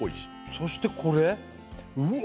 そしてこれうわ